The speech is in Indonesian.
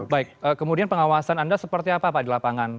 baik kemudian pengawasan anda seperti apa pak di lapangan